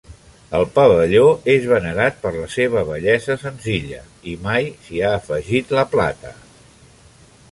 El pavelló és venerat per la seva bellesa senzilla i mai s'hi ha afegit la plata.